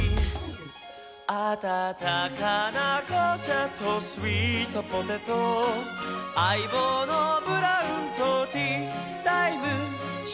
「あたたかな紅茶とスイートポテト」「相棒のブラウンとティータイム」